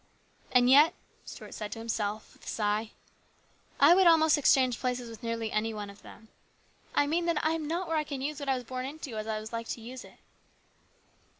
" And yet," Stuart said to himself with a sigh, " I would almost exchange places with nearly any one of them. I mean, that I am not where I can use what I was born into as I would like to use it."